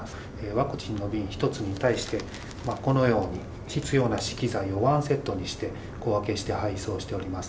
ワクチンの瓶１つに対して、このように必要な資器材を１セットにして小分けして配送しております。